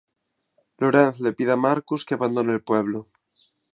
Lorenz le pide a Marcus que abandone el pueblo.